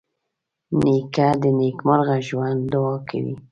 نیکه د نېکمرغه ژوند دعا کوي.